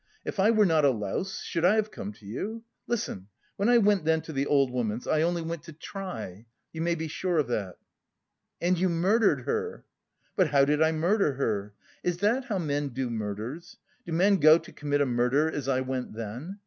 If I were not a louse, should I have come to you? Listen: when I went then to the old woman's I only went to try.... You may be sure of that!" "And you murdered her!" "But how did I murder her? Is that how men do murders? Do men go to commit a murder as I went then?